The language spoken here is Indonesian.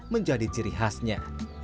menjadi ciri khasnya